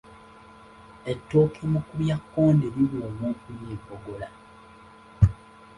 Ettooke Mukubyakkonde liwooma okulya empogola.